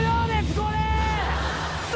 これ！